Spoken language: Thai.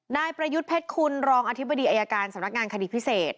นายประยุทธ์เพชรคุณรองอธิบดีอายการสำนักงานคดีพิเศษ